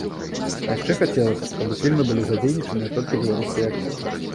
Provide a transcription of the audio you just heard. А яшчэ хацелася б, каб у фільме былі задзейнічаныя толькі беларускія акцёры.